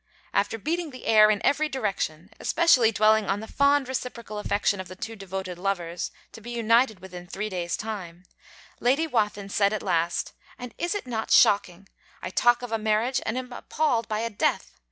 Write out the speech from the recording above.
After beating the air in every direction, especially dwelling on the fond reciprocal affection of the two devoted lovers, to be united within three days' time, Lady Wathin said at last: 'And is it not shocking! I talk of a marriage and am appalled by a death.